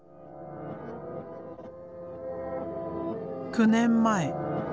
９年前。